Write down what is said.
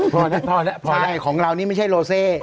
ใช่ของเรานี่ไม่ใช่โลเซ